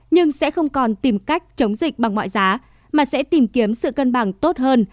nhưng sẽ không còn tìm cách chống dịch bằng mọi giá mà sẽ tìm kiếm sự cân bằng tốt hơn